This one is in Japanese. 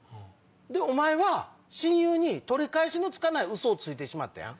お前は親友に取り返しのつかないウソをついてしまったやん。